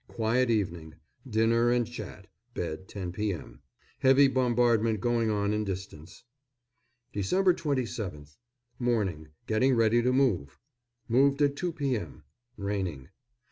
Quiet evening. Dinner and chat; bed 10 p.m. Heavy bombardment going on in distance. Dec. 27th. Morning, getting ready to move. Moved at 2 p.m. Raining.